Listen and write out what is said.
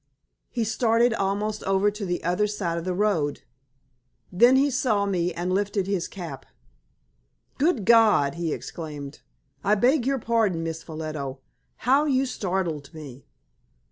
He started almost over to the other side of the road. Then he saw me, and lifted his cap. "Good God!" he exclaimed. "I beg your pardon, Miss Ffolliot. How you startled me!"